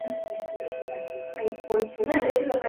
Alisema ameelezea wasiwasi wa umoja huo